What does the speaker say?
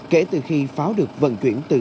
kể từ khi pháo được vận chuyển từ